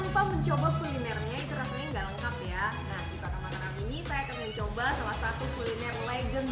nah di kota mataram ini saya akan mencoba salah satu kuliner legend